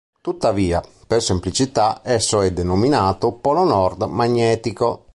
Tuttavia, per semplicità esso è denominato Polo Nord magnetico.